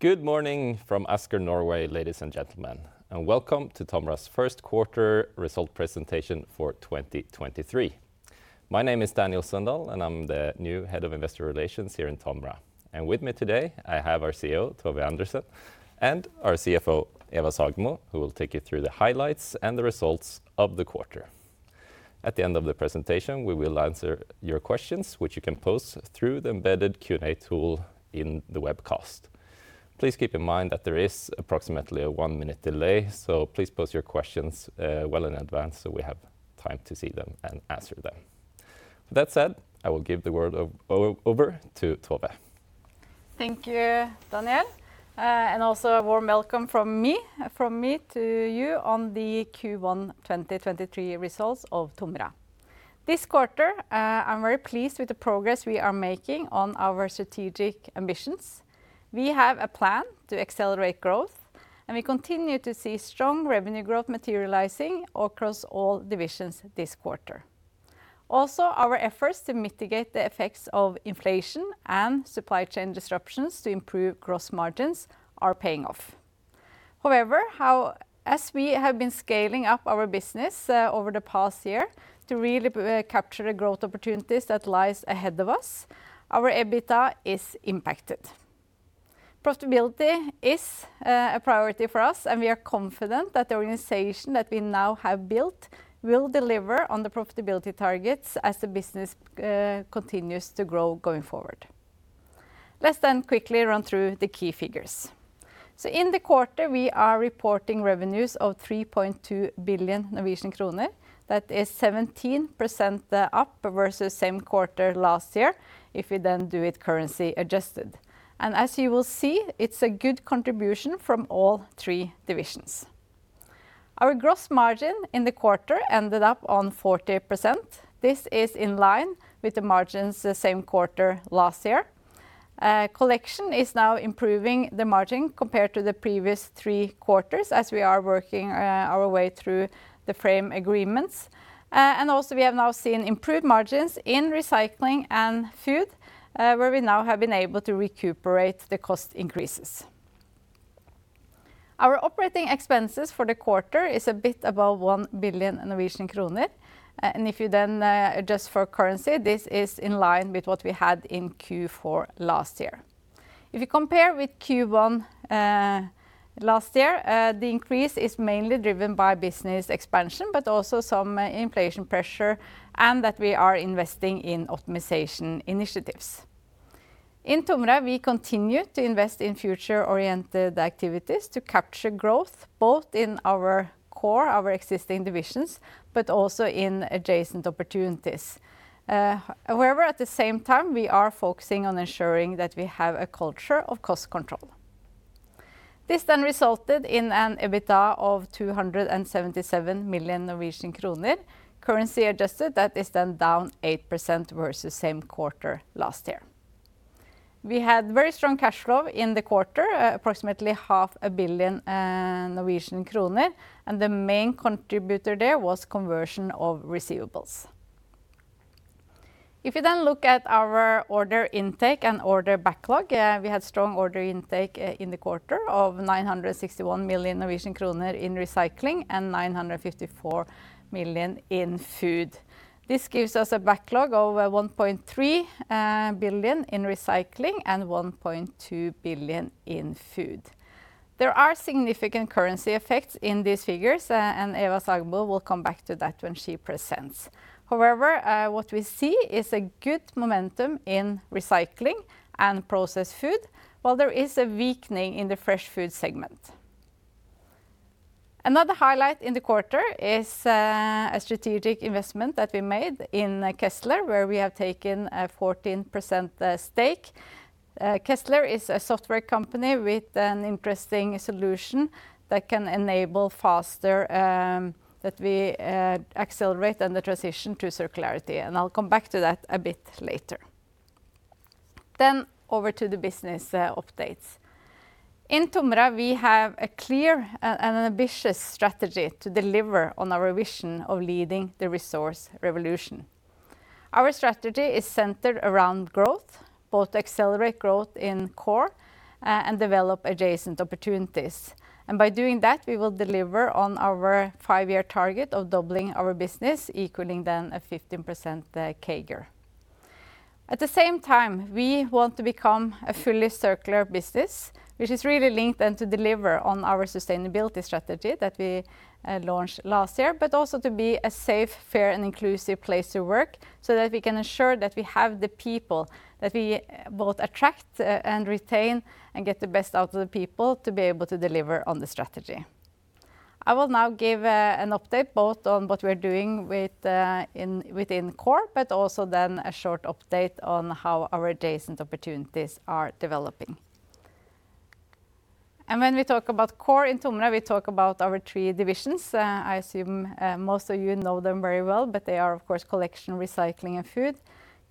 Good morning from Asker, Norway, ladies and gentlemen, welcome to TOMRA's first quarter result presentation for 2023. My name is Daniel Sundahl, and I'm the new head of investor relations here in TOMRA. With me today I have our CEO, Tove Andersen, and our CFO, Eva Sagemo, who will take you through the highlights and the results of the quarter. At the end of the presentation, we will answer your questions which you can pose through the embedded Q&A tool in the webcast. Please keep in mind that there is approximately a 1-minute delay, so please pose your questions well in advance, so we have time to see them and answer them. That said, I will give the word over to Tove. Thank you, Daniel, and also a warm welcome from me to you on the Q1 2023 results of TOMRA. This quarter, I'm very pleased with the progress we are making on our strategic ambitions. We have a plan to accelerate growth, we continue to see strong revenue growth materializing across all divisions this quarter. Also, our efforts to mitigate the effects of inflation and supply chain disruptions to improve gross margins are paying off. However, as we have been scaling up our business over the past year to really capture the growth opportunities that lies ahead of us, our EBITDA is impacted. Profitability is a priority for us, we are confident that the organization that we now have built will deliver on the profitability targets as the business continues to grow going forward. Let's quickly run through the key figures. In the quarter, we are reporting revenues of 3.2 billion Norwegian kroner. That is 17% up versus same quarter last year if we do it currency adjusted. As you will see, it's a good contribution from all three divisions. Our gross margin in the quarter ended up on 40%. This is in line with the margins the same quarter last year. Collection is now improving the margin compared to the previous three quarters as we are working our way through the frame agreements. Also we have now seen improved margins in Recycling and Food, where we now have been able to recuperate the cost increases. Our operating expenses for the quarter is a bit above 1 billion Norwegian kroner. If you then adjust for currency, this is in line with what we had in Q4 last year. If you compare with Q1 last year, the increase is mainly driven by business expansion, but also some inflation pressure, and that we are investing in optimization initiatives. In TOMRA, we continue to invest in future-oriented activities to capture growth both in our core, our existing divisions, but also in adjacent opportunities. However, at the same time we are focusing on ensuring that we have a culture of cost control. This then resulted in an EBITDA of 277 million Norwegian kroner. Currency adjusted, that is then down 8% versus same quarter last year. We had very strong cash flow in the quarter, approximately half a billion NOK, the main contributor there was conversion of receivables. If you look at our order intake and order backlog, we had strong order intake in the quarter of 961 million Norwegian kroner in recycling and 954 million in food. This gives us a backlog of 1.3 billion in recycling and 1.2 billion in food. There are significant currency effects in these figures, Eva Sagemo will come back to that when she presents. However, what we see is a good momentum in recycling and processed food, while there is a weakening in the fresh food segment. Another highlight in the quarter is a strategic investment that we made in Kezzler, where we have taken a 14% stake. Kezzler is a software company with an interesting solution that can enable faster, that we accelerate in the transition to circularity, and I'll come back to that a bit later. Over to the business updates. In TOMRA, we have a clear and ambitious strategy to deliver on our vision of leading the resource revolution. Our strategy is centered around growth, both to accelerate growth in core and develop adjacent opportunities. By doing that, we will deliver on our 5-year target of doubling our business, equaling then a 15% CAGR. At the same time, we want to become a fully circular business, which is really linked then to deliver on our sustainability strategy that we launched last year, but also to be a safe, fair, and inclusive place to work, so that we can ensure that we have the people that we both attract and retain, and get the best out of the people to be able to deliver on the strategy. I will now give an update both on what we're doing with within core, but also then a short update on how our adjacent opportunities are developing. When we talk about core in TOMRA, we talk about our three divisions. I assume most of you know them very well, but they are of course Collection, Recycling, and Food.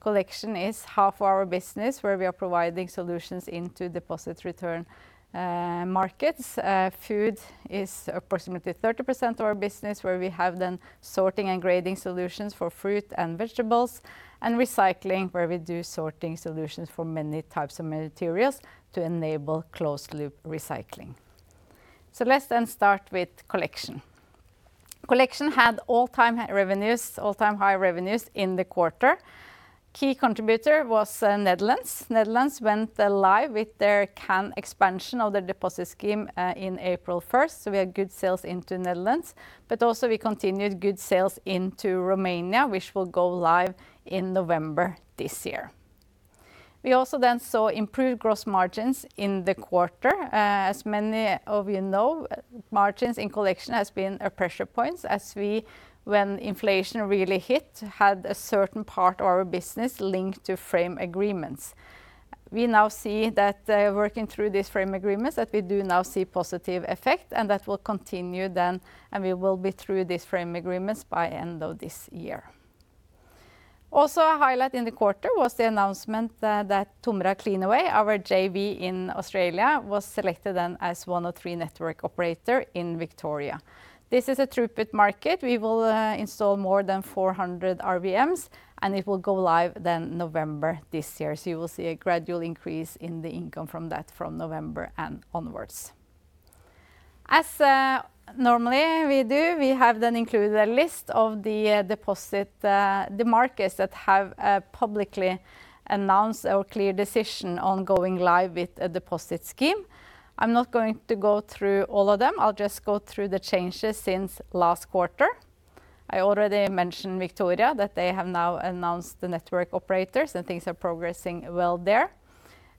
Collection is half our business, where we are providing solutions into deposit return markets. Food is approximately 30% of our business, where we have then sorting and grading solutions for fruit and vegetables, and Recycling, where we do sorting solutions for many types of materials to enable closed loop recycling. Let's start with collection. Collection had all-time high revenues in the quarter. Key contributor was Netherlands. Netherlands went live with their can expansion of their deposit scheme in April 1st. We had good sales into Netherlands. We continued good sales into Romania, which will go live in November this year. We also saw improved gross margins in the quarter. As many of you know, margins in collection has been a pressure point as we, when inflation really hit, had a certain part of our business linked to frame agreements. We now see that working through these frame agreements, we do now see positive effect, and that will continue then, and we will be through these frame agreements by end of this year. A highlight in the quarter was the announcement that TOMRA Cleanaway, our JV in Australia, was selected then as one of 3 network operator in Victoria. This is a throughput market. We will install more than 400 RVMs, and it will go live then November this year, so you will see a gradual increase in the income from that from November and onwards. As normally we do, we have then included a list of the deposit, the markets that have publicly announced a clear decision on going live with a deposit scheme. I'm not going to go through all of them. I'll just go through the changes since last quarter. I already mentioned Victoria, that they have now announced the network operators and things are progressing well there.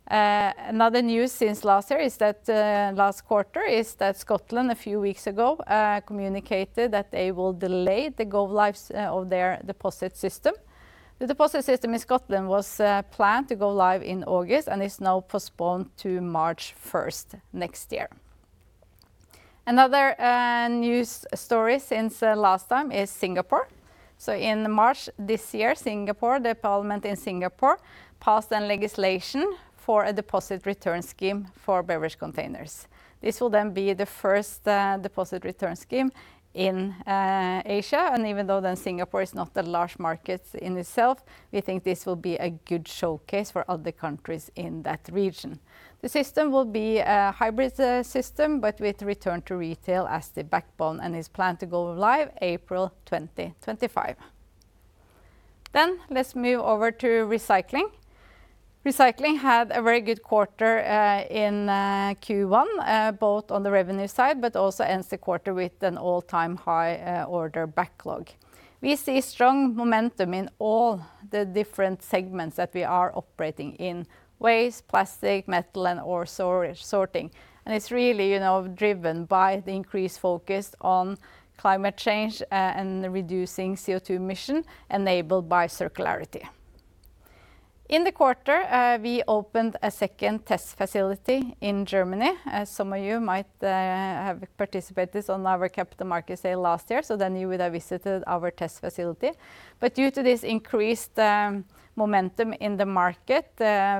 Another news since last year is that last quarter is that Scotland a few weeks ago communicated that they will delay the go lives of their deposit system. The deposit system in Scotland was planned to go live in August and is now postponed to March 1st next year. Another news story since the last time is Singapore. In March this year, Singapore, the parliament in Singapore, passed a legislation for a deposit return scheme for beverage containers. This will be the first deposit return scheme in Asia. Even though Singapore is not a large market in itself, we think this will be a good showcase for other countries in that region. The system will be a hybrid system, but with return to retail as the backbone and is planned to go live April 2025. Let's move over to recycling. Recycling had a very good quarter in Q1, both on the revenue side, but also ends the quarter with an all-time high order backlog. We see strong momentum in all the different segments that we are operating in, waste, plastic, metal, and ore sorting. It's really, you know, driven by the increased focus on climate change and reducing CO2 emission enabled by circularity. In the quarter, we opened a second test facility in Germany. Some of you might have participated on our Capital Markets Day last year, so then you would have visited our test facility. Due to this increased momentum in the market,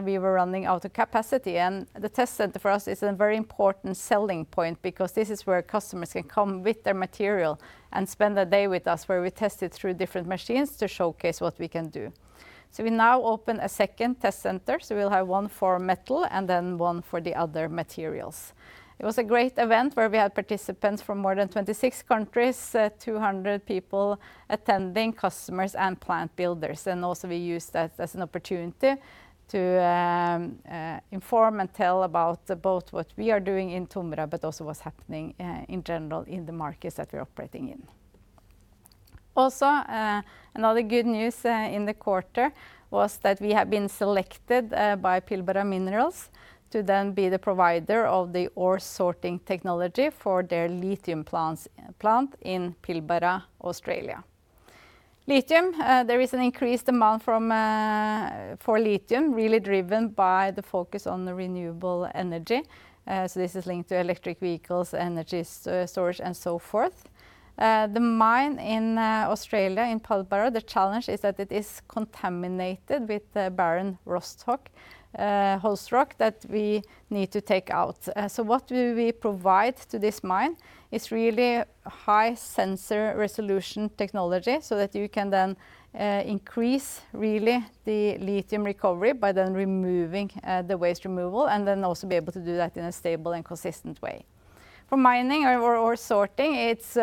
we were running out of capacity. The test center for us is a very important selling point because this is where customers can come with their material and spend a day with us, where we test it through different machines to showcase what we can do. We now open a second test center, so we'll have one for metal and then one for the other materials. It was a great event where we had participants from more than 26 countries, 200 people attending, customers and plant builders. Also, we used that as an opportunity to inform and tell about both what we are doing in TOMRA, but also what's happening in general in the markets that we're operating in. Another good news in the quarter was that we have been selected by Pilbara Minerals to then be the provider of the ore sorting technology for their lithium plant in Pilbara, Australia. Lithium, there is an increased demand from for lithium, really driven by the focus on the renewable energy, this is linked to electric vehicles, energy storage, and so forth. The mine in Australia, in Pilbara, the challenge is that it is contaminated with barren rock stock, whole rock that we need to take out. What we will provide to this mine is really high sensor resolution technology so that you can then increase really the lithium recovery by then removing the waste removal and then also be able to do that in a stable and consistent way. For mining or ore sorting, it's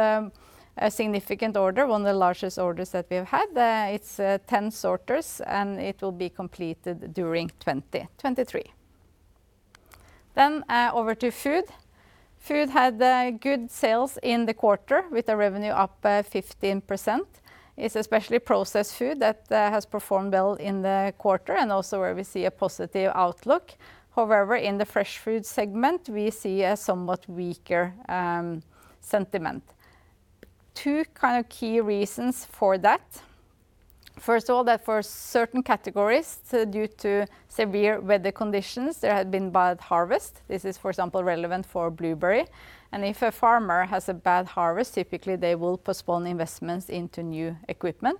a significant order, one of the largest orders that we've had. It's 10 sorters and it will be completed during 2023. Over to food. Food had good sales in the quarter with the revenue up 15%. It's especially processed food that has performed well in the quarter and also where we see a positive outlook. In the fresh food segment, we see a somewhat weaker sentiment. Two kind of key reasons for that. First of all, that for certain categories, due to severe weather conditions, there had been bad harvest. This is, for example, relevant for blueberry. If a farmer has a bad harvest, typically they will postpone investments into new equipment.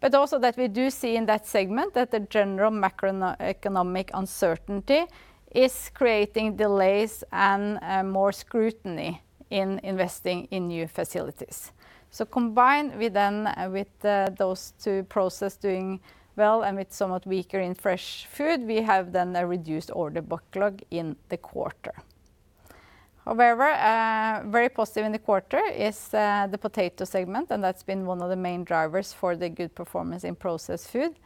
That we do see in that segment that the general macroeconomic uncertainty is creating delays and more scrutiny in investing in new facilities. Combined with those two process doing well and with somewhat weaker in fresh food, we have then a reduced order backlog in the quarter. Very positive in the quarter is the potato segment, and that's been one of the main drivers for the good performance in processed food.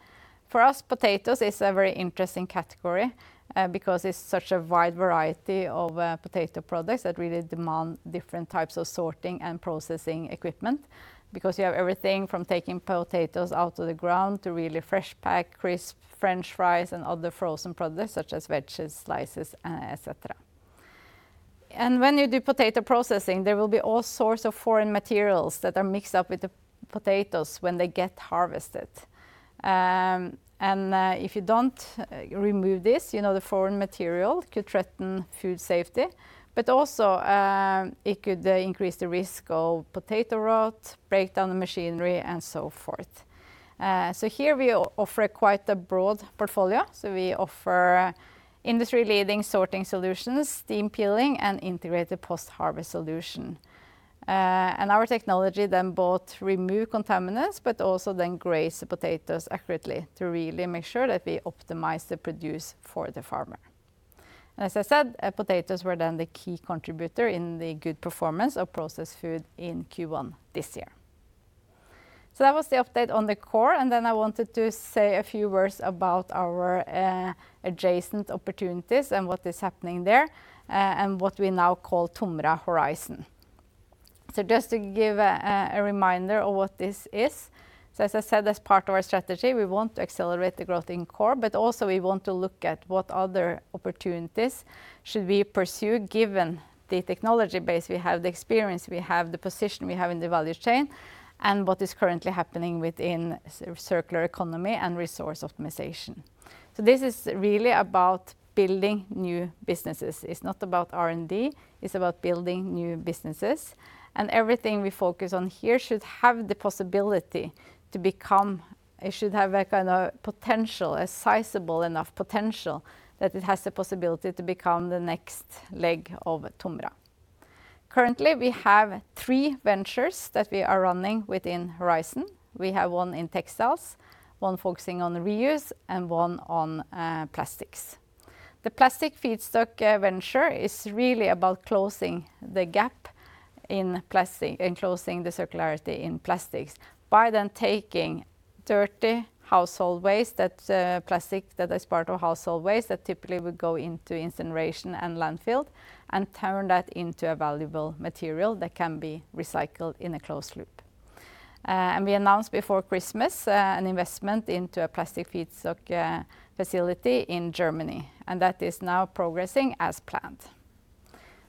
For us, potatoes is a very interesting category, because it's such a wide variety of potato products that really demand different types of sorting and processing equipment because you have everything from taking potatoes out of the ground to really fresh pack, crisp french fries, and other frozen products such as veggies, slices, et cetera. When you do potato processing, there will be all sorts of foreign materials that are mixed up with the potatoes when they get harvested. If you don't remove this, you know, the foreign material could threaten food safety, but also, it could increase the risk of potato rot, break down the machinery, and so forth. So here we offer quite a broad portfolio. We offer industry-leading sorting solutions, steam peeling, and integrated post-harvest solution. Our technology then both remove contaminants but also then grades the potatoes accurately to really make sure that we optimize the produce for the farmer. As I said, potatoes were then the key contributor in the good performance of processed food in Q1 this year. That was the update on the core, and then I wanted to say a few words about our adjacent opportunities and what is happening there, and what we now call TOMRA Horizon. Just to give a reminder of what this is, as I said, as part of our strategy, we want to accelerate the growth in core, but also we want to look at what other opportunities should we pursue given the technology base we have, the experience we have, the position we have in the value chain, and what is currently happening within circular economy and resource optimization. This is really about building new businesses. It's not about R&D, it's about building new businesses, and everything we focus on here should have the possibility to become. It should have a kind of potential, a sizable enough potential, that it has the possibility to become the next leg of TOMRA. Currently, we have three ventures that we are running within TOMRA Horizon. We have one in textiles, one focusing on reuse, and one on plastics. The plastic feedstock venture is really about closing the gap in plastic and closing the circularity in plastics by then taking dirty household waste that plastic that is part of household waste that typically would go into incineration and landfill and turn that into a valuable material that can be recycled in a closed loop. We announced before Christmas an investment into a plastic feedstock facility in Germany, and that is now progressing as planned.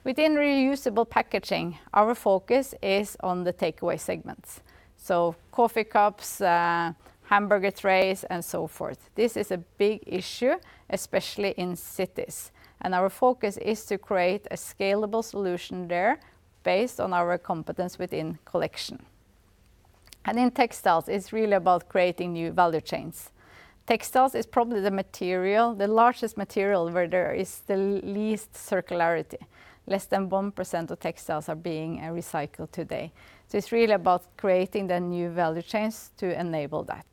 Within reusable packaging, our focus is on the takeaway segments, so coffee cups, hamburger trays, and so forth. This is a big issue, especially in cities, and our focus is to create a scalable solution there based on our competence within collection. In textiles, it's really about creating new value chains. Textiles is probably the material, the largest material where there is the least circularity. Less than 1% of textiles are being recycled today. It's really about creating the new value chains to enable that.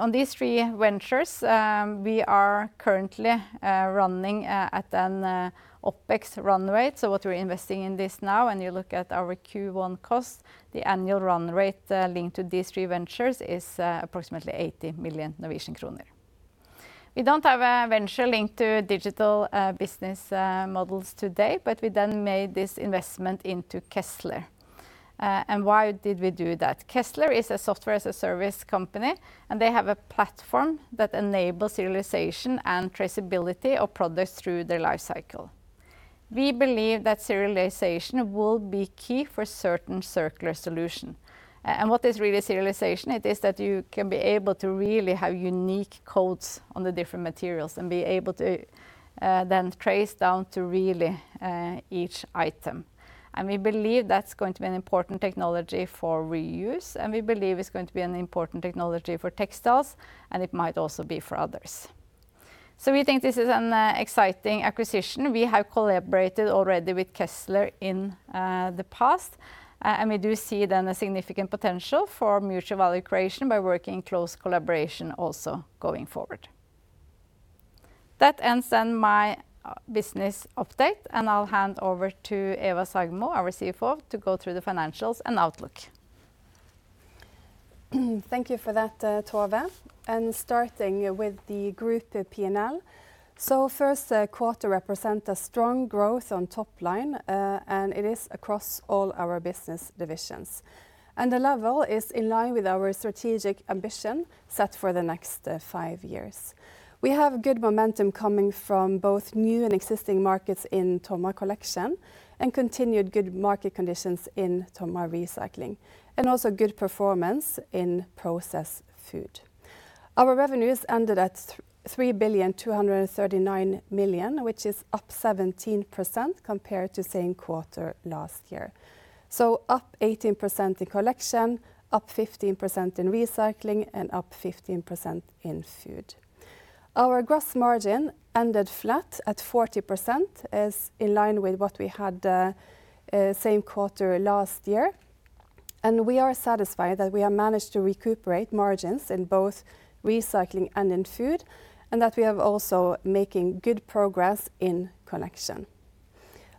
On these three ventures, we are currently running at an OpEx run rate. What we're investing in this now, when you look at our Q1 costs, the annual run rate linked to these three ventures is approximately 80 million Norwegian kroner. We don't have a venture linked to digital business models today. We then made this investment into Kezzler. Why did we do that? Kezzler is a software as a service company, and they have a platform that enables serialization and traceability of products through their life cycle. We believe that serialization will be key for certain circular solution. What is really serialization? It is that you can be able to really have unique codes on the different materials and be able to then trace down to really each item, and we believe that's going to be an important technology for reuse, and we believe it's going to be an important technology for textiles, and it might also be for others. We think this is an exciting acquisition. We have collaborated already with Kezzler in the past, and we do see then a significant potential for mutual value creation by working in close collaboration also going forward. That ends then my business update. I'll hand over to Eva Sagemo, our CFO, to go through the financials and outlook. Thank you for that, Tove. Starting with the group P&L. First quarter represent a strong growth on top line, and it is across all our business divisions. The level is in line with our strategic ambition set for the next five years. We have good momentum coming from both new and existing markets in TOMRA Collection and continued good market conditions in TOMRA Recycling and also good performance in processed food. Our revenues ended at 3 billion 239 million, which is up 17% compared to same quarter last year. Up 18% in Collection, up 15% in Recycling, and up 15% in Food. Our gross margin ended flat at 40%, is in line with what we had same quarter last year. We are satisfied that we have managed to recuperate margins in both recycling and in food, and that we have also making good progress in collection.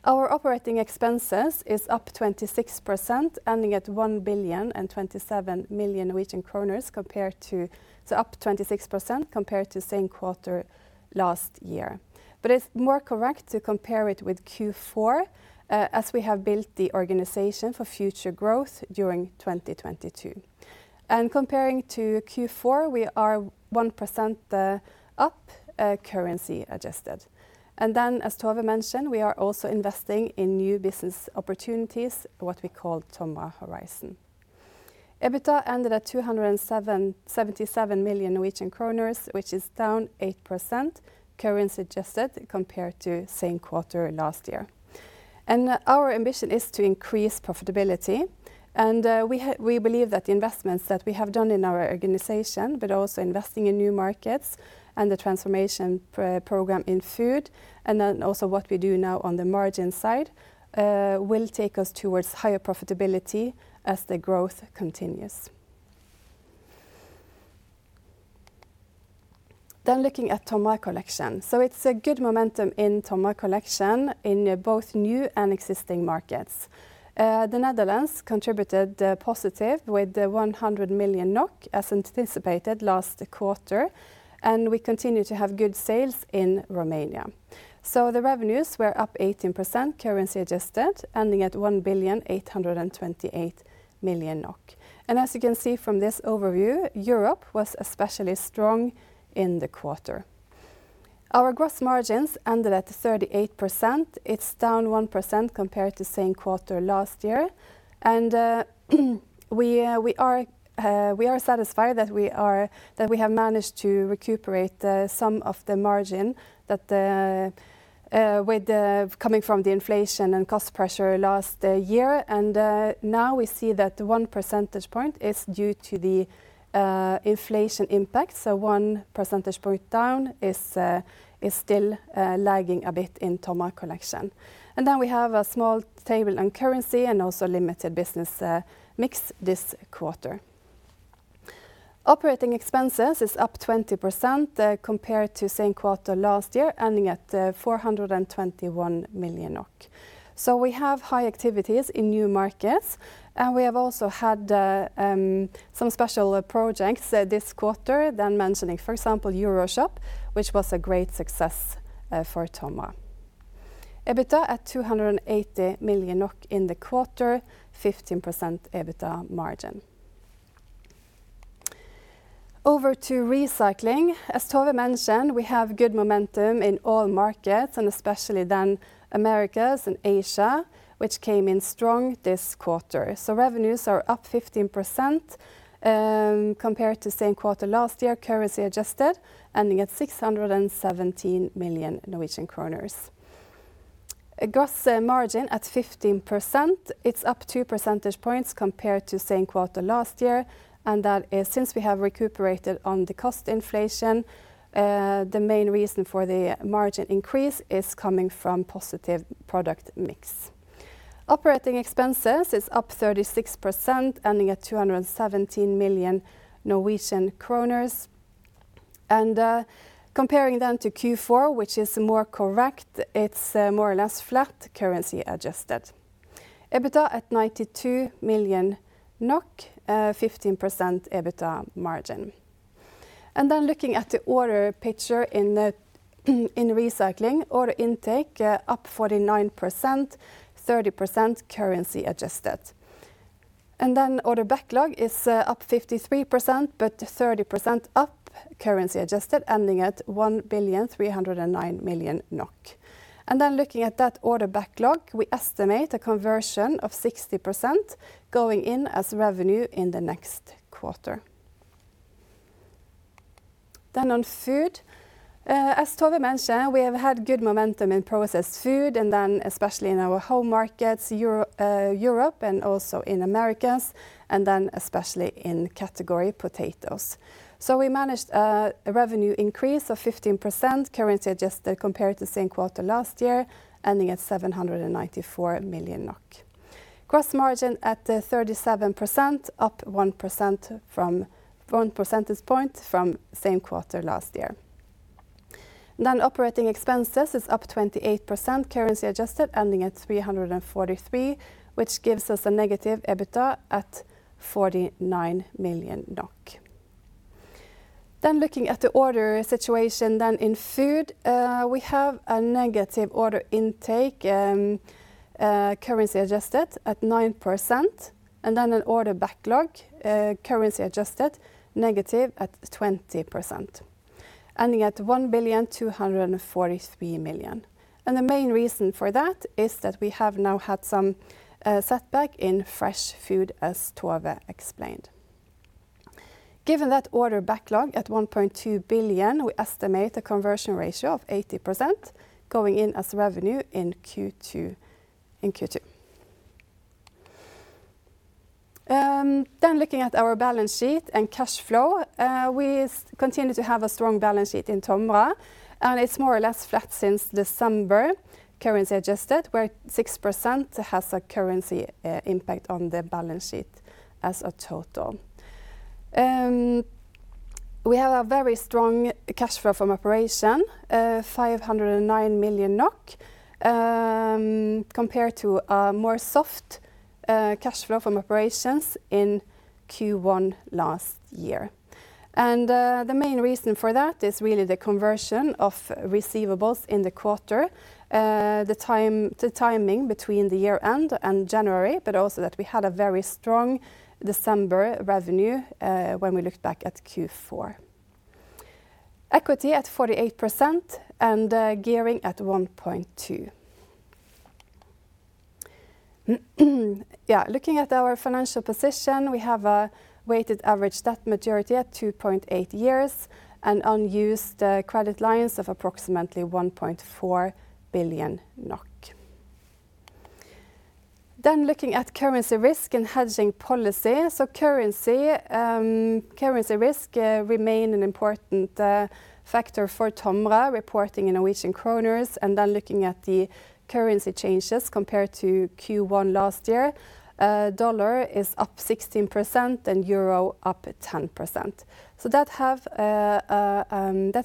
Our operating expenses is up 26%, ending at 1 billion and 27 million. Up 26% compared to same quarter last year. It's more correct to compare it with Q4 as we have built the organization for future growth during 2022. Comparing to Q4, we are 1% up currency adjusted. As Tove mentioned, we are also investing in new business opportunities, what we call TOMRA Horizon. EBITDA ended at 277 million Norwegian kroner, which is down 8% currency adjusted compared to same quarter last year. Our ambition is to increase profitability, and we believe that the investments that we have done in our organization, but also investing in new markets and the transformation program in food, and then also what we do now on the margin side, will take us towards higher profitability as the growth continues. Looking at TOMRA Collection. It's a good momentum in TOMRA Collection in both new and existing markets. The Netherlands contributed positive with 100 million NOK as anticipated last quarter, and we continue to have good sales in Romania. The revenues were up 18% currency adjusted, ending at 1,828 million NOK. As you can see from this overview, Europe was especially strong in the quarter. Our gross margins ended at 38%. It's down 1% compared to same quarter last year. We are satisfied that we have managed to recuperate some of the margin that with the coming from the inflation and cost pressure last year. Now we see that 1 percentage point is due to the inflation impact. 1 percentage point down is still lagging a bit in TOMRA Collection. Then we have a small table on currency and also limited business mix this quarter. Operating expenses is up 20% compared to same quarter last year, ending at 421 million NOK. We have high activities in new markets, and we have also had some special projects this quarter than mentioning, for example, EuroShop, which was a great success for TOMRA. EBITDA at 280 million NOK in the quarter, 15% EBITDA margin. Over to Recycling. As Tove mentioned, we have good momentum in all markets and especially than Americas and Asia, which came in strong this quarter. Revenues are up 15% compared to same quarter last year, currency adjusted, ending at 617 million Norwegian kroner. A gross margin at 15%, it's up 2 percentage points compared to same quarter last year. That is since we have recuperated on the cost inflation, the main reason for the margin increase is coming from positive product mix. Operating expenses is up 36%, ending at 217 million Norwegian kroner. Comparing then to Q4, which is more correct, it's more or less flat currency adjusted. EBITDA at 92 million NOK, 15% EBITDA margin. Looking at the order picture in Recycling, order intake up 49%, 30% currency adjusted. Order backlog is up 53%, but 30% up currency adjusted, ending at 1.309 billion NOK. Looking at that order backlog, we estimate a conversion of 60% going in as revenue in the next quarter. On Food, as Tove mentioned, we have had good momentum in processed food, and then especially in our home markets, Europe and also in Americas, and then especially in category potatoes. We managed a revenue increase of 15% currency adjusted compared to same quarter last year, ending at 794 million NOK. Gross margin at 37%, up 1 percentage point from same quarter last year. Operating expenses is up 28% currency adjusted, ending at 343 million, which gives us a negative EBITDA at 49 million NOK. Looking at the order situation in Food, we have a negative order intake, currency adjusted at 9%, and then an order backlog, currency adjusted negative at 20%, ending at 1,243 million. The main reason for that is that we have now had some setback in fresh food, as Tove explained. Given that order backlog at 1.2 billion, we estimate a conversion ratio of 80% going in as revenue in Q2. Looking at our balance sheet and cash flow, we continue to have a strong balance sheet in TOMRA, and it's more or less flat since December, currency adjusted, where 6% has a currency impact on the balance sheet as a total. We have a very strong cash flow from operation, 509 million NOK, compared to a more soft cash flow from operations in Q1 last year. The main reason for that is really the conversion of receivables in the quarter, the timing between the year-end and January, but also that we had a very strong December revenue when we looked back at Q4. Equity at 48% and gearing at 1.2. Yeah, looking at our financial position, we have a weighted average debt maturity at 2.8 years and unused credit lines of approximately 1.4 billion NOK. Looking at currency risk and hedging policy. Currency risk remain an important factor for TOMRA reporting in Norwegian kroners. Looking at the currency changes compared to Q1 last year. Dollar is up 16% and euro up at 10%. That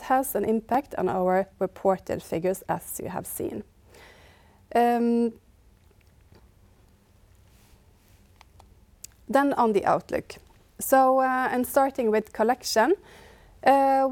has an impact on our reported figures, as you have seen. On the outlook. Starting with Collection,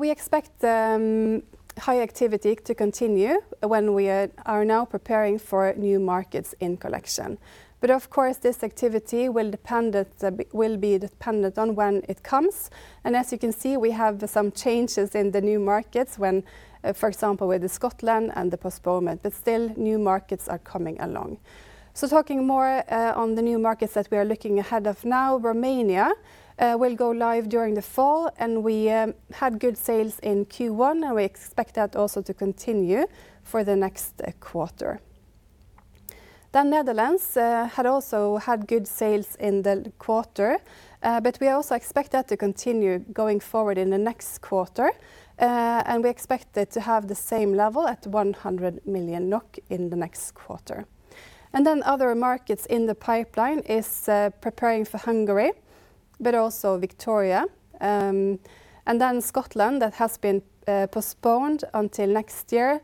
we expect high activity to continue when we are now preparing for new markets in Collection. Of course, this activity will be dependent on when it comes. As you can see, we have some changes in the new markets when, for example, with Scotland and the postponement. Still, new markets are coming along. Talking more on the new markets that we are looking ahead of now, Romania will go live during the fall, and we had good sales in Q1, and we expect that also to continue for the next quarter. Netherlands had also had good sales in the quarter, but we also expect that to continue going forward in the next quarter. We expect it to have the same level at 100 million NOK in the next quarter. Other markets in the pipeline is preparing for Hungary, but also Victoria. Scotland, that has been postponed until next year.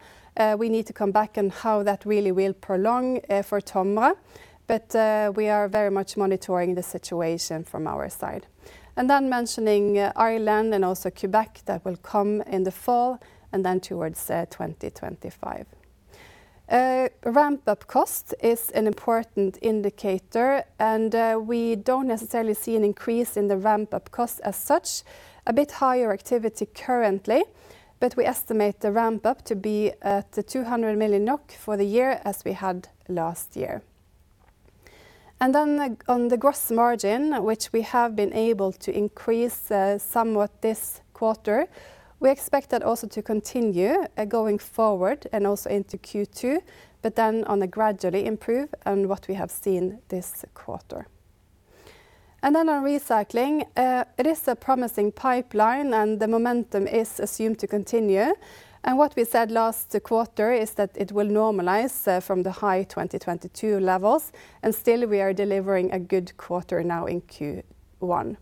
We need to come back on how that really will prolong for TOMRA. We are very much monitoring the situation from our side. Mentioning Ireland and also Quebec, that will come in the fall and then towards 2025. Ramp-up cost is an important indicator, and we don't necessarily see an increase in the ramp-up cost as such. A bit higher activity currently, but we estimate the ramp-up to be at 200 million NOK for the year as we had last year. On the gross margin, which we have been able to increase somewhat this quarter, we expect that also to continue going forward and also into Q2, but then on a gradually improve on what we have seen this quarter. On recycling, it is a promising pipeline, and the momentum is assumed to continue. What we said last quarter is that it will normalize from the high 2022 levels, and still we are delivering a good quarter now in Q1.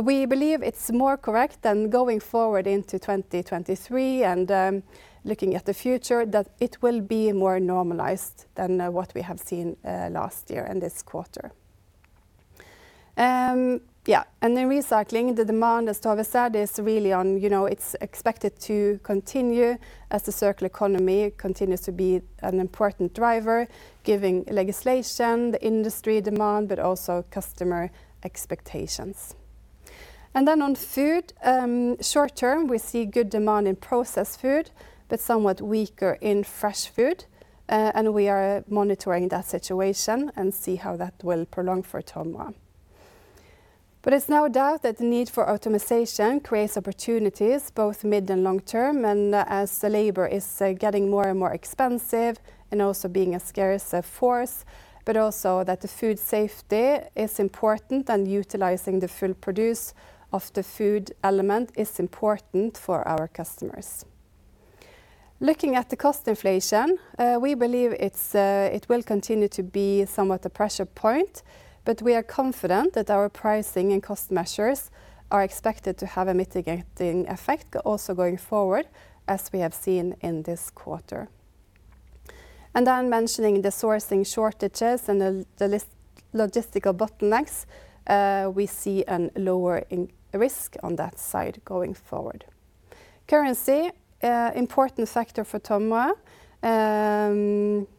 We believe it's more correct than going forward into 2023 and looking at the future that it will be more normalized than what we have seen last year and this quarter. The recycling, the demand, as Tove said, is really on, you know, it's expected to continue as the circular economy continues to be an important driver, giving legislation, the industry demand, but also customer expectations. On food, short term, we see good demand in processed food, but somewhat weaker in fresh food. We are monitoring that situation and see how that will prolong for TOMRA. But it's no doubt that the need for automation creates opportunities both mid and long term, and as the labor is getting more and more expensive and also being a scarce force, but also that the food safety is important and utilizing the full produce of the food element is important for our customers. Looking at the cost inflation, we believe it will continue to be somewhat a pressure point, but we are confident that our pricing and cost measures are expected to have a mitigating effect also going forward, as we have seen in this quarter. Mentioning the sourcing shortages and the logistical bottlenecks, we see a lower in risk on that side going forward. Currency, important factor for TOMRA.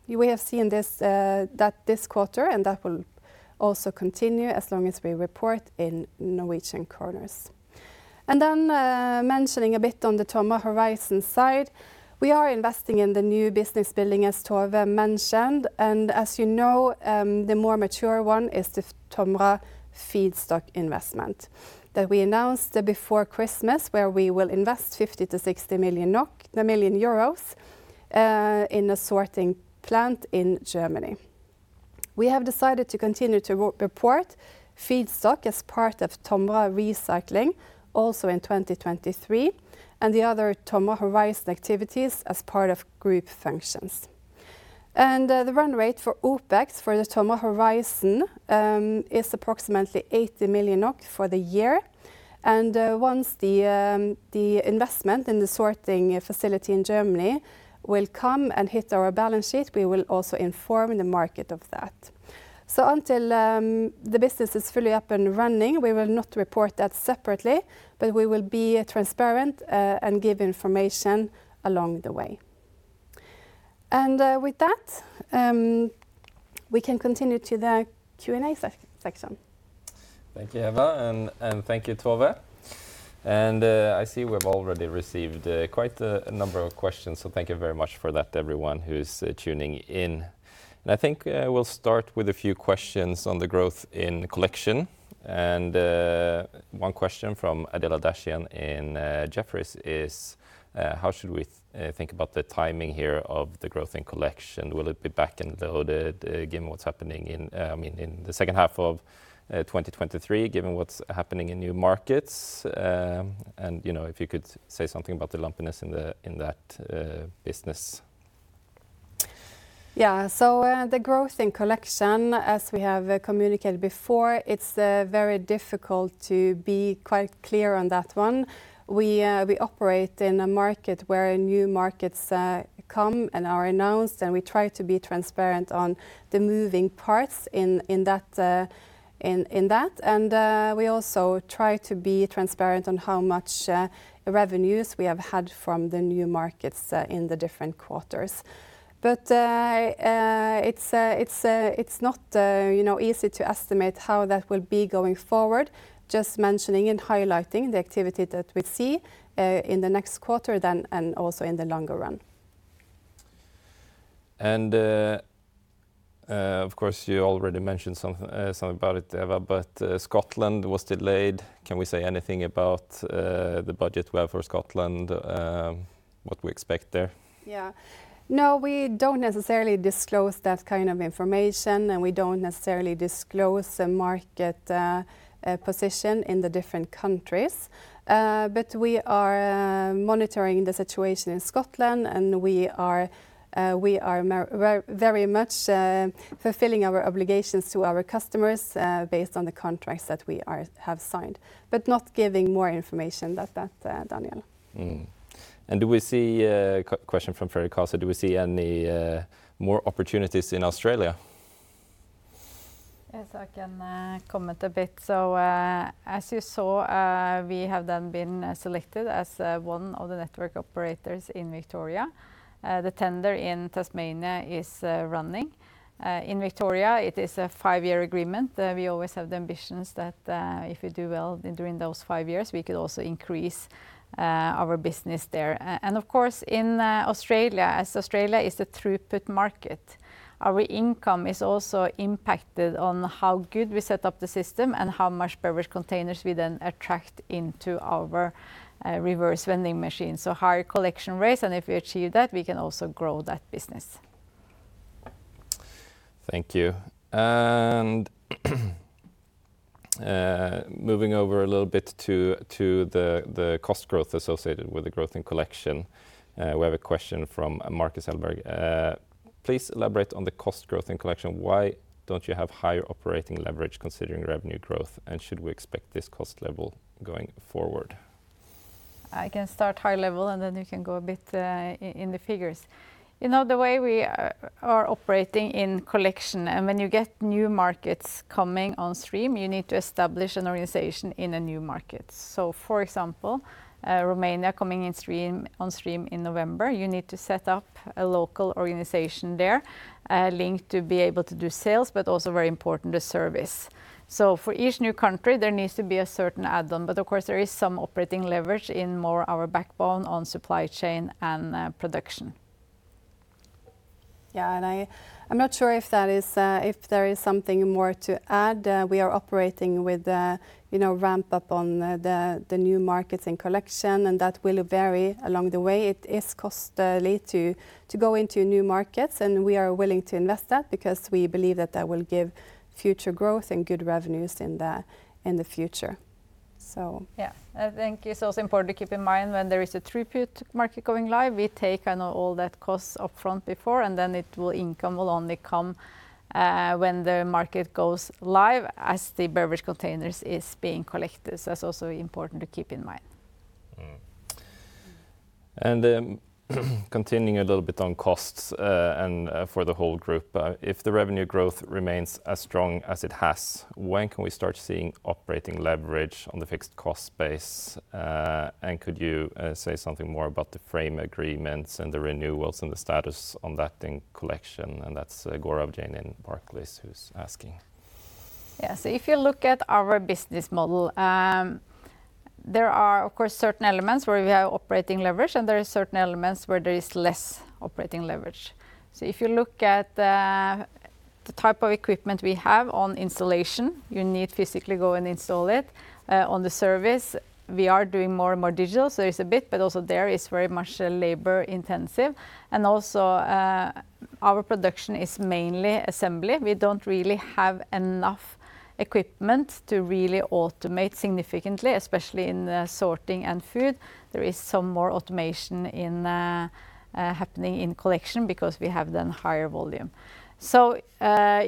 We have seen this, that this quarter, that will also continue as long as we report in Norwegian kroners. Mentioning a bit on the TOMRA Horizon side, we are investing in the new business building, as Tove mentioned. As you know, the more mature one is the TOMRA Feedstock investment that we announced before Christmas, where we will invest 50 million-60 million euros in a sorting plant in Germany. We have decided to continue to report Feedstock as part of TOMRA Recycling also in 2023, the other TOMRA Horizon activities as part of group functions. The run rate for OpEx for the TOMRA Horizon is approximately 80 million NOK for the year. Once the investment in the sorting facility in Germany will come and hit our balance sheet, we will also inform the market of that. Until the business is fully up and running, we will not report that separately, but we will be transparent and give information along the way. With that, we can continue to the Q&A section. Thank you, Eva, and thank you, Tove. I see we've already received quite a number of questions, so thank you very much for that, everyone who's tuning in. I think we'll start with a few questions on the growth in collection, one question from Adela Dashian in Jefferies is how should we think about the timing here of the growth in collection? Will it be back-ended or the given what's happening in, I mean, in the second half of 2023, given what's happening in new markets, and, you know, if you could say something about the lumpiness in that business? The growth in collection, as we have communicated before, it's very difficult to be quite clear on that one. We operate in a market where new markets come and are announced, and we try to be transparent on the moving parts in that. We also try to be transparent on how much revenues we have had from the new markets in the different quarters. It's not, you know, easy to estimate how that will be going forward, just mentioning and highlighting the activity that we see in the next quarter then, and also in the longer run. Of course, you already mentioned something about it, Eva, but Scotland was delayed. Can we say anything about the budget we have for Scotland? What we expect there? Yeah. No, we don't necessarily disclose that kind of information, and we don't necessarily disclose the market position in the different countries. We are monitoring the situation in Scotland, and we are very much fulfilling our obligations to our customers, based on the contracts that we are, have signed, but not giving more information than that, Daniel. Do we see question from Freddie Cason, do we see any more opportunities in Australia? Yes, I can comment a bit. As you saw, we have then been selected as one of the network operators in Victoria. The tender in Tasmania is running. In Victoria it is a five-year agreement. We always have the ambitions that if we do well during those five years, we could also increase our business there. Of course, in Australia, as Australia is the throughput market, our income is also impacted on how good we set up the system and how much beverage containers we then attract into our reverse vending machines. Higher collection rates, and if we achieve that, we can also grow that business. Thank you. moving over a little bit to the cost growth associated with the growth in collection, we have a question from Markus Heiberg. please elaborate on the cost growth in collection. Why don't you have higher operating leverage considering revenue growth? should we expect this cost level going forward? I can start high level. Then you can go a bit in the figures. You know, the way we are operating in collection, when you get new markets coming on stream, you need to establish an organization in a new market. For example, Romania coming in stream, on stream in November, you need to set up a local organization there, linked to be able to do sales, but also very important, the service. For each new country, there needs to be a certain add-on. Of course, there is some operating leverage in more our backbone on supply chain and production. Yeah, I'm not sure if that is, if there is something more to add. We are operating with a, you know, ramp-up on, the new markets and Collection, and that will vary along the way. It is costly to go into new markets, and we are willing to invest that because we believe that that will give future growth and good revenues in the, in the future. Yeah. I think it's also important to keep in mind when there is a throughput market going live, we take, I know, all that cost upfront before, and then income will only come when the market goes live as the beverage containers is being collected. That's also important to keep in mind. Mm. Then continuing a little bit on costs, and, for the whole group, if the revenue growth remains as strong as it has, when can we start seeing operating leverage on the fixed cost base? Could you say something more about the frame agreements and the renewals and the status on that in collection? That's Gaurav Jain in Barclays who's asking. If you look at our business model, there are, of course, certain elements where we have operating leverage, and there are certain elements where there is less operating leverage. If you look at the type of equipment we have on installation, you need physically go and install it. On the service, we are doing more and more digital, so it's a bit, but also there is very much labor intensive. Also, our production is mainly assembly. We don't really have enough equipment to really automate significantly, especially in the sorting and food. There is some more automation in happening in collection because we have then higher volume.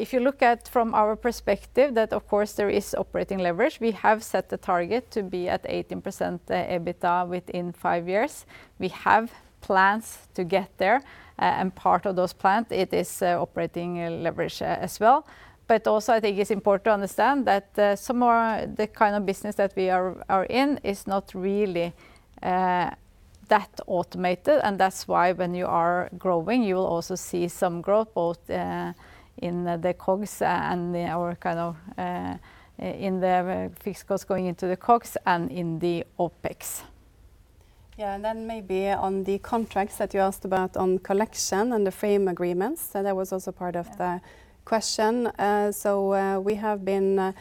If you look at from our perspective that of course there is operating leverage, we have set the target to be at 18% EBITDA within five years. We have plans to get there, and part of those plans, it is operating leverage as well. Also I think it's important to understand that the kind of business that we are in is not really that automated, and that's why when you are growing, you will also see some growth both in the COGS and the our kind of in the fixed costs going into the COGS and in the OpEx. Then maybe on the contracts that you asked about on collection and the frame agreements, that was also part of the question. We have been,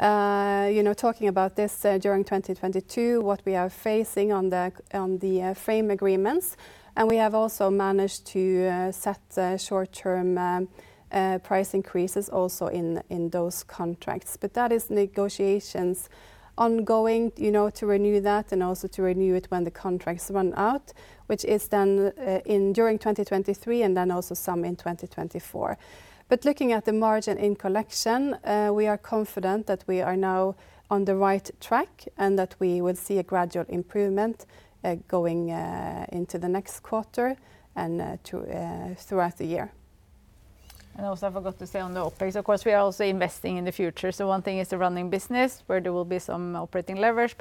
you know, talking about this during 2022, what we are facing on the frame agreements. We have also managed to set short-term price increases also in those contracts. That is negotiations ongoing, you know, to renew that and also to renew it when the contracts run out, which is then in during 2023 and then also some in 2024. Looking at the margin in Collection, we are confident that we are now on the right track and that we will see a gradual improvement going into the next quarter and throughout the year. Also I forgot to say on the OpEx, of course, we are also investing in the future. One thing is the running business where there will be some operating leverage,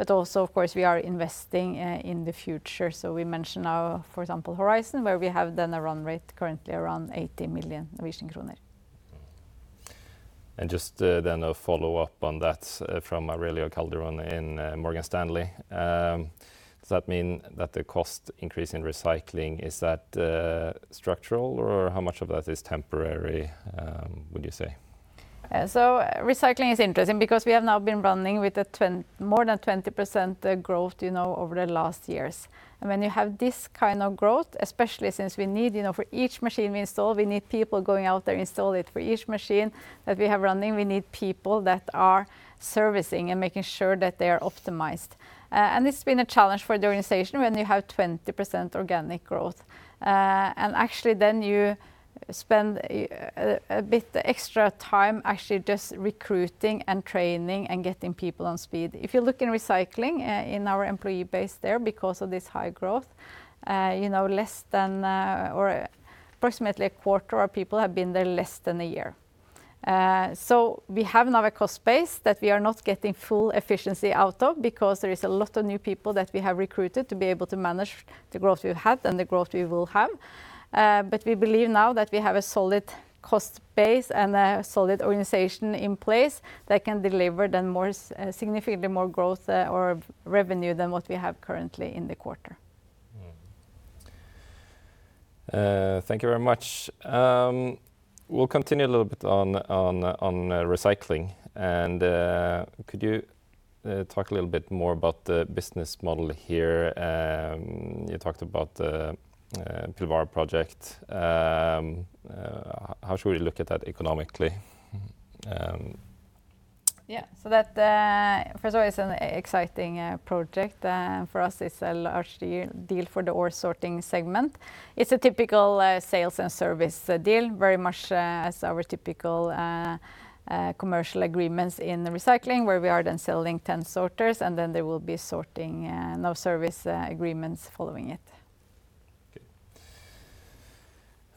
but you have the new markets or new segments coming on stream. Also of course, we are investing in the future. We mentioned our, for example, Horizon, where we have then a run rate currently around 80 million Norwegian kroner. Just then a follow-up on that from Aurelio Calderon in Morgan Stanley. Does that mean that the cost increase in recycling, is that structural, or how much of that is temporary, would you say? Recycling is interesting because we have now been running with more than 20% growth, you know, over the last years. When you have this kind of growth, especially since we need, you know, for each machine we install, we need people going out there install it. For each machine that we have running, we need people that are servicing and making sure that they are optimized. This has been a challenge for the organization when you have 20% organic growth. Actually then you spend a bit extra time actually just recruiting and training and getting people on speed. If you look in recycling in our employee base there because of this high growth, you know, less than, or approximately a quarter of people have been there less than a year. We have now a cost base that we are not getting full efficiency out of because there is a lot of new people that we have recruited to be able to manage the growth we have and the growth we will have. We believe now that we have a solid cost base and a solid organization in place that can deliver then significantly more growth, or revenue than what we have currently in the quarter. Thank you very much. We'll continue a little bit on recycling. Could you talk a little bit more about the business model here? You talked about Pilbara project. How should we look at that economically? First of all, it's an exciting project. For us it's a large deal for the ore sorting segment. It's a typical sales and service deal, very much as our typical commercial agreements in the recycling where we are then selling 10 sorters, and then there will be sorting, no service agreements following it.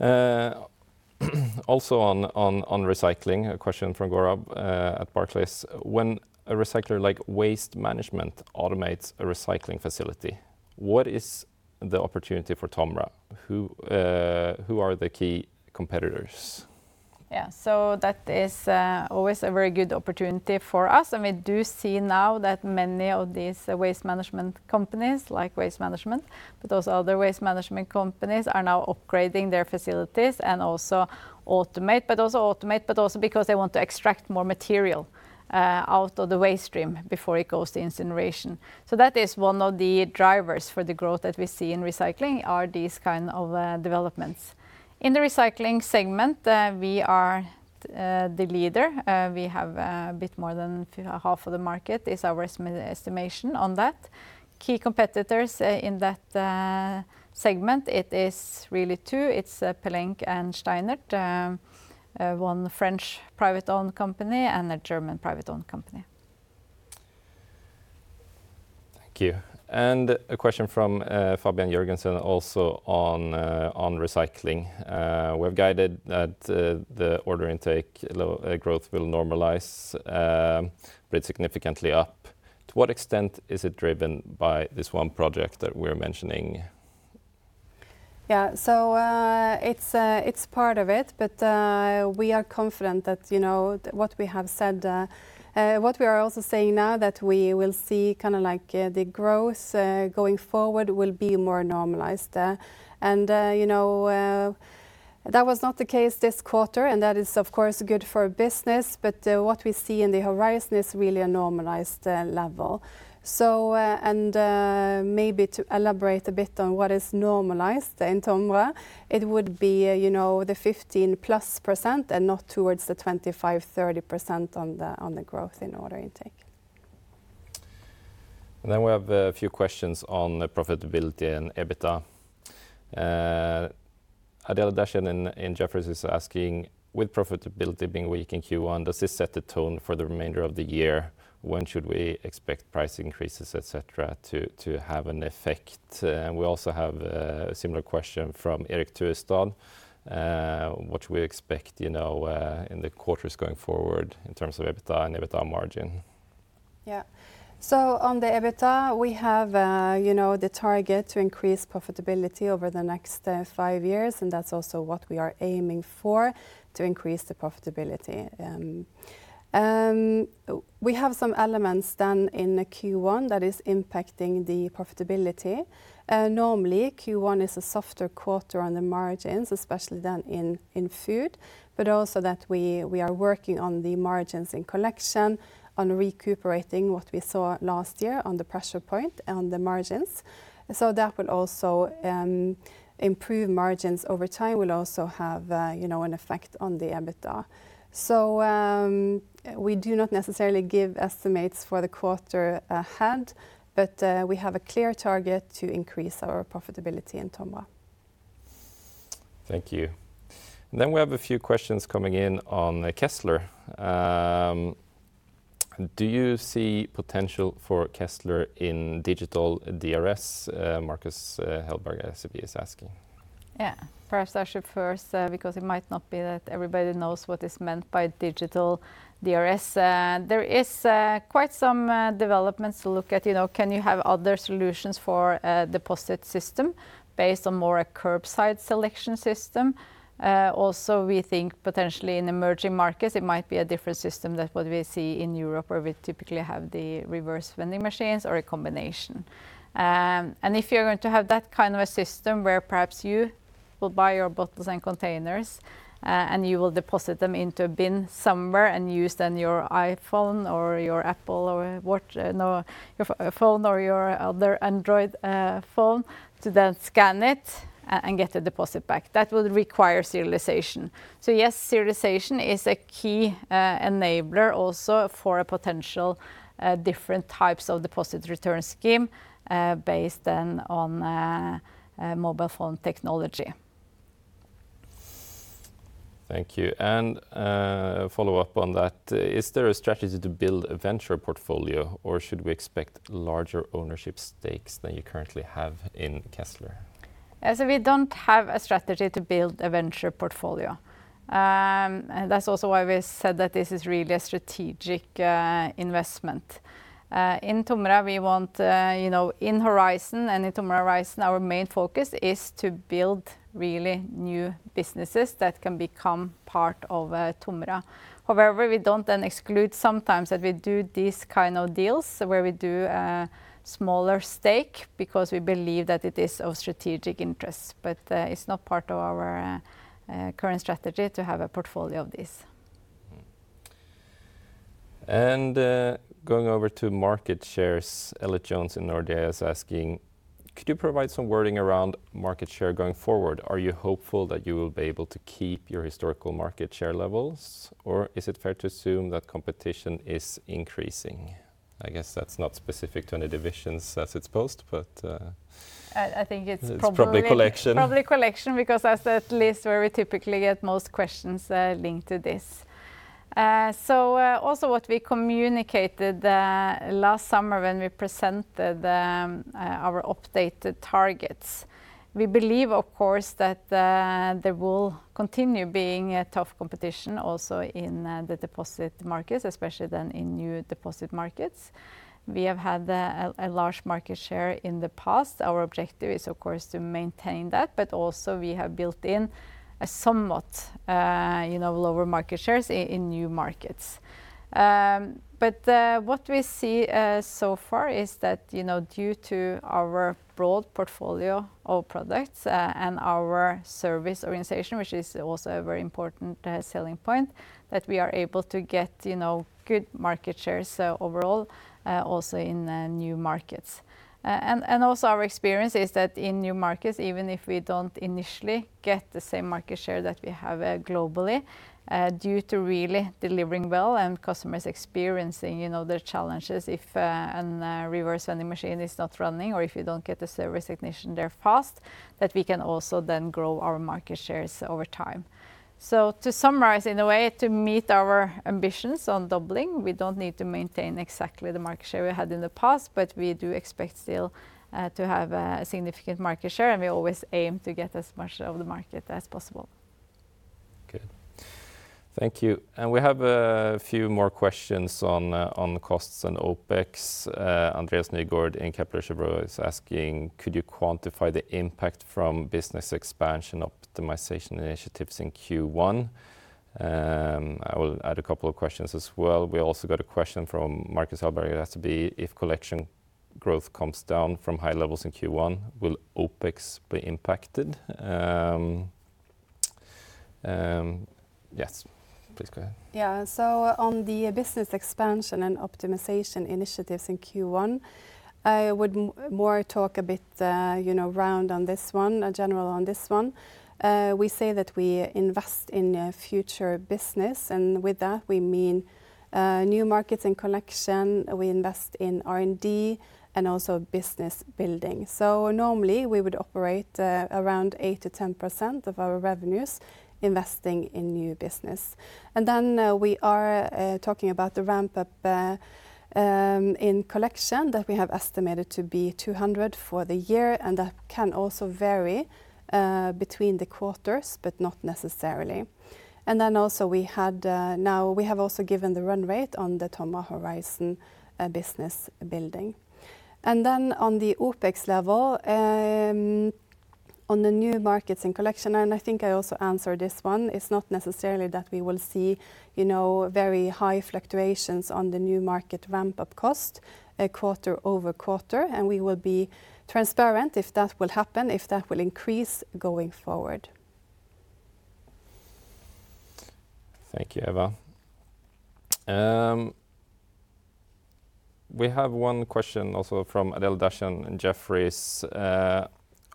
Okay. also on recycling, a question from Gaurav at Barclays. When a recycler like Waste Management automates a recycling facility, what is the opportunity for TOMRA? Who are the key competitors? Yeah. That is, always a very good opportunity for us, and we do see now that many of these waste management companies, like Waste Management, but also other waste management companies, are now upgrading their facilities and also automate, but also because they want to extract more material, out of the waste stream before it goes to incineration. That is one of the drivers for the growth that we see in recycling are these kind of, developments. The recycling segment, we are, the leader. We have a bit more than half of the market is our estimation on that. Key competitors, in that, segment, it is really two. It's, Pellenc and STEINERT, one French private-owned company and a German private-owned company. Thank you. A question from Fabian Jørgensen also on recycling. We've guided that the order intake growth will normalize, but it's significantly up. To what extent is it driven by this one project that we're mentioning? Yeah. It's, it's part of it, but, we are confident that, you know, what we have said. What we are also saying now that we will see kind of like the growth going forward will be more normalized. You know, that was not the case this quarter, and that is of course good for business, but, what we see in the horizon is really a normalized level. Maybe to elaborate a bit on what is normalized in TOMRA, it would be, you know, the 15+% and not towards the 25%-30% on the growth in order intake. We have a few questions on the profitability and EBITDA. Adela Dashian in Jefferies is asking, "With profitability being weak in Q1, does this set the tone for the remainder of the year? When should we expect price increases, et cetera, to have an effect?" We also have a similar question from Eirik Tørstad, what we expect, you know, in the quarters going forward in terms of EBITDA and EBITDA margin. Yeah. On the EBITDA, we have, you know, the target to increase profitability over the next five years, and that's also what we are aiming for, to increase the profitability. We have some elements done in the Q1 that is impacting the profitability. Normally Q1 is a softer quarter on the margins, especially than in Food, but also that we are working on the margins in Collection, on recuperating what we saw last year on the pressure point on the margins. That will also improve margins over time, will also have, you know, an effect on the EBITDA. We do not necessarily give estimates for the quarter ahead, but we have a clear target to increase our profitability in TOMRA. Thank you. We have a few questions coming in on Kezzler. Do you see potential for Kezzler in digital DRS? Markus Heiberg at SEB is asking. Yeah. Perhaps I should first, because it might not be that everybody knows what is meant by digital DRS. There is quite some developments to look at, you know, can you have other solutions for a deposit system based on more a curbside selection system? Also we think potentially in emerging markets it might be a different system than what we see in Europe where we typically have the reverse vending machines or a combination. If you're going to have that kind of a system where perhaps you will buy your bottles and containers, and you will deposit them into a bin somewhere and use then your iPhone or your phone or your other Android phone to then scan it and get the deposit back, that would require serialization. Yes, serialization is a key enabler also for a potential different types of deposit return scheme based then on mobile phone technology. Thank you. Follow-up on that. Is there a strategy to build a venture portfolio, or should we expect larger ownership stakes than you currently have in Kezzler? We don't have a strategy to build a venture portfolio. That's also why we said that this is really a strategic investment. In TOMRA, we want, you know, in TOMRA Horizon and in TOMRA Horizon, our main focus is to build really new businesses that can become part of TOMRA. However, we don't then exclude sometimes that we do these kind of deals where we do a smaller stake because we believe that it is of strategic interest, but it's not part of our current strategy to have a portfolio of this. Going over to market shares, Elliott Jones in Nordea is asking, could you provide some wording around market share going forward? Are you hopeful that you will be able to keep your historical market share levels, or is it fair to assume that competition is increasing? I guess that's not specific to any divisions as it's posed, but... I think it's. It's probably collection.... probably collection because that's at least where we typically get most questions, linked to this. Also what we communicated, last summer when we presented, our updated targets, we believe of course that, there will continue being a tough competition also in, the deposit markets, especially than in new deposit markets. We have had a large market share in the past. Our objective is of course to maintain that, but also we have built in a somewhat, you know, lower market shares in new markets. What we see, so far is that, you know, due to our broad portfolio of products, and our service organization, which is also a very important, selling point, that we are able to get, you know, good market shares overall, also in, new markets. Also our experience is that in new markets, even if we don't initially get the same market share that we have globally, due to really delivering well and customers experiencing, you know, the challenges if an reverse vending machine is not running or if you don't get the service technician there fast, that we can also then grow our market shares over time. To summarize, in a way, to meet our ambitions on doubling, we don't need to maintain exactly the market share we had in the past, but we do expect still to have a significant market share, and we always aim to get as much of the market as possible. Good. Thank you. We have a few more questions on the costs and OpEx. Andreas Nygård in Capital is asking, "Could you quantify the impact from business expansion optimization initiatives in Q1?" I will add a couple of questions as well. We also got a question from Marcus Ahlberg at SEB, "If collection growth comes down from high levels in Q1, will OpEx be impacted?" Yes. Please go ahead. Yeah. On the business expansion and optimization initiatives in Q1, I would more talk a bit, you know, round on this one, general on this one. We say that we invest in a future business, and with that we mean new markets and collection. We invest in R&D and also business building. Normally we would operate around 8%-10% of our revenues investing in new business. Then we are talking about the ramp-up in collection that we have estimated to be 200 for the year, and that can also vary between the quarters, but not necessarily. Then also we had, now we have also given the run rate on the TOMRA Horizon business building. Then on the OpEx level, on the new markets and collection, and I think I also answered this one, it's not necessarily that we will see, you know, very high fluctuations on the new market ramp-up cost, quarter-over-quarter, and we will be transparent if that will happen, if that will increase going forward. Thank you, Eva. We have one question also from Adela Dashian in Jefferies.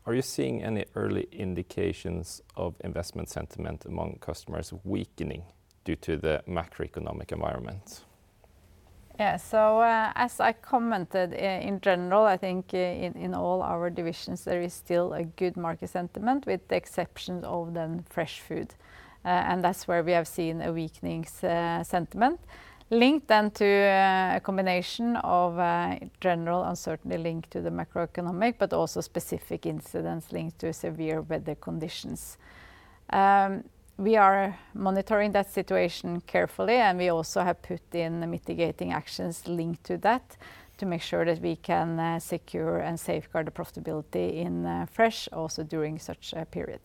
"Are you seeing any early indications of investment sentiment among customers weakening due to the macroeconomic environment? Yeah. As I commented in general, I think, in all our divisions there is still a good market sentiment with the exception of the Fresh Food. That's where we have seen a weakening sentiment linked then to a combination of general uncertainty linked to the macroeconomic, but also specific incidents linked to severe weather conditions. We are monitoring that situation carefully, and we also have put in the mitigating actions linked to that to make sure that we can secure and safeguard the profitability in Fresh also during such a period.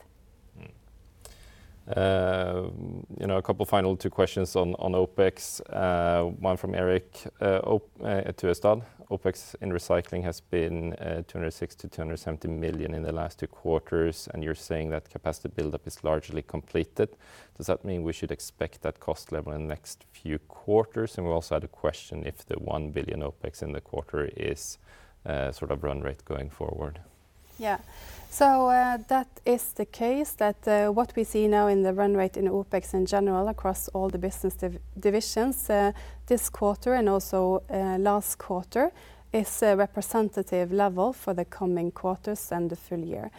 you know, a couple final two questions on OpEx, one from Erik Tørstad: "OpEx in Recycling has been 260 million-270 million in the last two quarters, and you're saying that capacity buildup is largely completed. Does that mean we should expect that cost level in next few quarters?" We also had a question if the 1 billion OpEx in the quarter is sort of run rate going forward. Yeah. That is the case that what we see now in the run rate in OpEx in general across all the business divisions this quarter and also last quarter is a representative level for the coming quarters and the full year.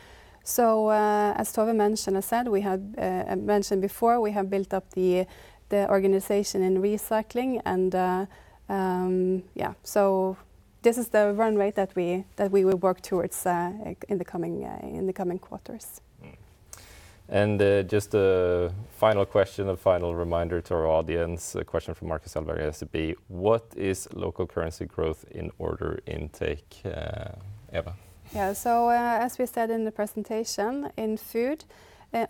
As Tove mentioned, I said we had mentioned before, we have built up the organization in Recycling and yeah, this is the run rate that we will work towards like in the coming quarters. Mm. Just a final question, a final reminder to our audience, a question from Markus Heiberg at SEB, "What is local currency growth in order intake, Eva? Yeah. As we said in the presentation, in Food,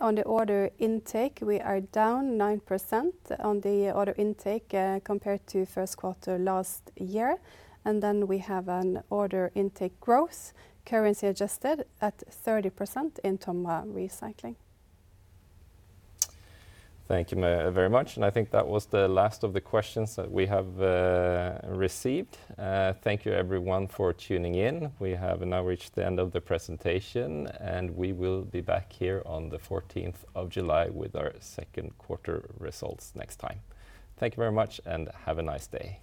on the order intake, we are down 9% on the order intake, compared to first quarter last year. We have an order intake growth currency adjusted at 30% in TOMRA Recycling. Thank you very much. I think that was the last of the questions that we have received. Thank you everyone for tuning in. We have now reached the end of the presentation. We will be back here on the 14th of July with our second quarter results next time. Thank you very much. Have a nice day.